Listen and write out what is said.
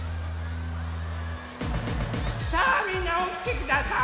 さあみんなおきてください！